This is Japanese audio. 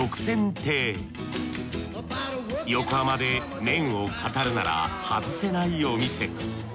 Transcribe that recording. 横浜で麺を語るなら外せないお店。